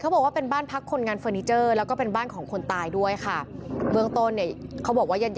ไอ้ไอ้ไอ้ไอ้ไอ้ไอ้ไอ้ไอ้ไอ้ไอ้ไอ้ไอ้ไอ้